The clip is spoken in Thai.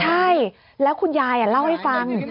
ใช่แล้วคุณยายเล่าให้ฟัง